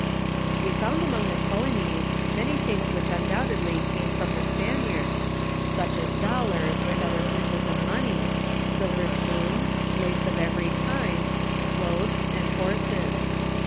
We found among the Ooanis many things which undoubt edly came from the Spaniards, such as dollars, and other pieces of money, silver spoons, lace of every kind, clothes and horses.